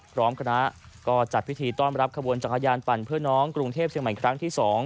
พร้อมคณะก็จัดพิธีต้อนรับขบวนจักรยานปั่นเพื่อน้องกรุงเทพเชียงใหม่ครั้งที่๒